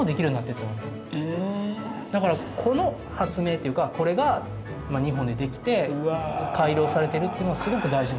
だからこの発明というかこれがまあ日本でできて改良されてるっていうのはすごく大事なこと。